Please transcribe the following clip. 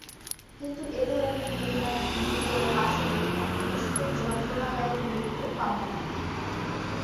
কিন্তু এ ধরনের নির্মম, নির্দয়, পাশবিক, নিষ্ঠুর যন্ত্রণাদায়ক মৃত্যু কাম্য নয়।